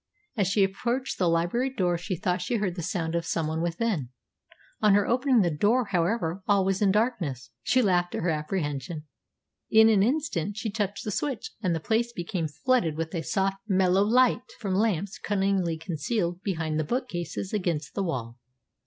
As she approached the library door she thought she heard the sound as of some one within. On her opening the door, however, all was in darkness. She laughed at her apprehension. In an instant she touched the switch, and the place became flooded by a soft, mellow light from lamps cunningly concealed behind the bookcases against the wall.